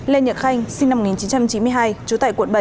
lê nhật khanh sinh năm một nghìn chín trăm chín mươi hai trú tại quận bảy